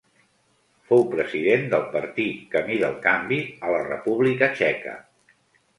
Fou president del partit Camí del canvi a la República Txeca.